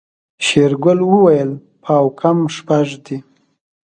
شېرګل وويل پاو کم شپږ دي.